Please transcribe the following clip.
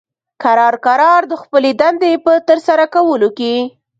کرار کرار د خپلې دندې په ترسره کولو کې